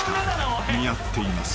［似合っています］